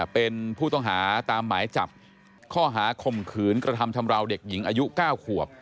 เป็นผู้ต้องหาตามหมายจับข้อหาข่มขืนกระทำชำราวเด็กหญิงอายุ๙ขวบ